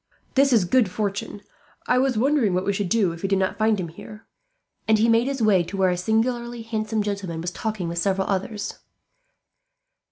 "This is good fortune. I was wondering what we should do, if we did not find him here;" and he made his way to where a singularly handsome gentleman was talking with several others.